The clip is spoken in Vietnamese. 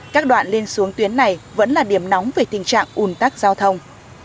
các đoạn lên xuống tuyến này vẫn là điểm nóng về tình trạng ủn tắc giao thông